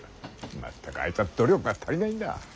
全くあいつは努力が足りないんだ。